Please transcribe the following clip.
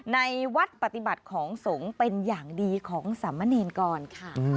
ในวัดปฏิบัติของสงฆ์เป็นอย่างดีของสามเณรกรค่ะ